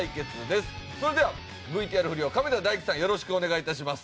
それではＶＴＲ振りを亀田大毅さんよろしくお願いいたします。